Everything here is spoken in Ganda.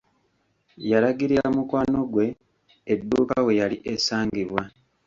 Yalagirira mukwano ggwe edduuka we yali esangibwa.